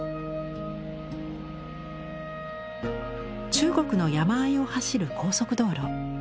中国の山あいを走る高速道路。